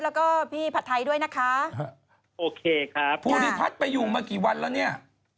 แล้วก็พี่ผัดไทยด้วยนะคะโอเคครับภูริพัฒน์ไปอยู่มากี่วันแล้วเนี่ย